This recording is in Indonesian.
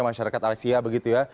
masyarakat asia begitu ya